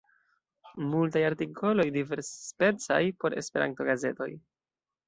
Multaj artikoloj diversspecaj por Esperanto-gazetoj.